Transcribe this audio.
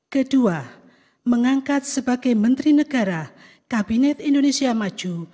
kedua mengangkat sebagai menteri negara kabinet indonesia maju